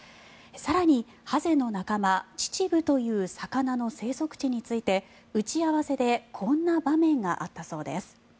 更に、ハゼの仲間チチブという魚の生息地について、打ち合わせでこんな場面があったそうです。